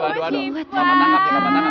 mama tangkap ya mama tangkap